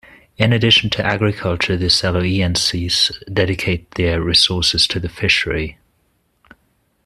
In addition to agriculture, the Saloenses dedicate their resources to the fishery.